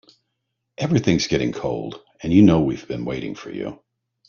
Everything's getting cold and you know we've been waiting for you.